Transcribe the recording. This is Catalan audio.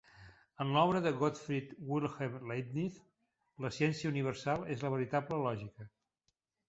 En l'obra de Gottfried Wilhelm Leibniz, la ciència universal és la veritable lògica.